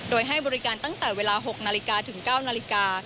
โดยให้บริการตั้งแต่เวลา๖นาฬิกาถึง๙นาฬิกา